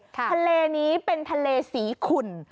ทะเลนี้เป็นทะเลสีขุ่น